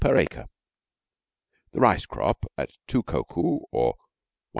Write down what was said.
per acre. The rice crop at two koku or £1:10s.